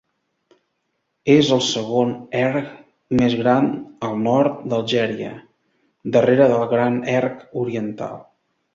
És el segon erg més gran al nord d'Algèria, darrere del Gran erg oriental.